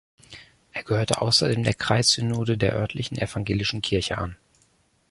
Er gehörte außerdem der Kreissynode der örtlichen evangelischen Kirche an.